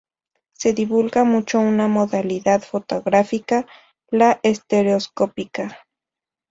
Se divulga mucho una modalidad fotográfica, la estereoscópica.